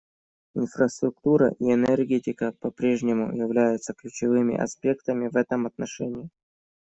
Инфраструктура и энергетика по-прежнему являются ключевыми аспектами в этом отношении.